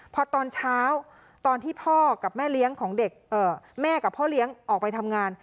พอตอนเช้าตอนที่พ่อกับแม่เลี้ยงของเด็กแม่กับพ่อเลี้ยงออกไปทำงาน